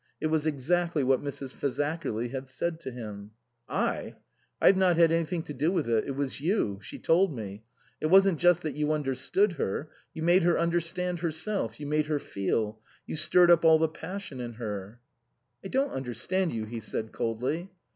It was exactly what Mrs. Fazakerly had said to him.) " I ? I've not had anything to do with it. It was you ; she told me. It wasn't just that you understood her ; you made her understand her self ; you made her feel ; you stirred up all the passion in her." " I don't understand you," he said coldly.